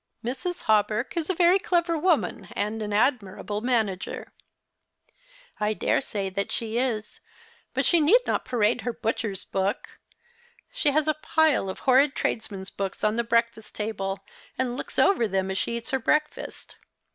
" Mrs. Hawberk is a very clever woman and an admirable manager." '•'I dare say she is; but she need not parade her butcher's book. She has a pile of horrid tradesmen's books on the breakfast table, and looks over them as she eats her breakfast.